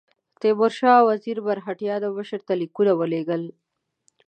تیمورشاه وزیر مرهټیانو مشر ته لیکونه ولېږل.